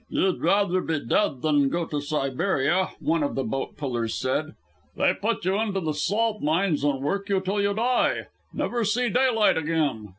"You'd rather be dead than go to Siberia," one of the boat pullers said. "They put you into the salt mines and work you till you die. Never see daylight again.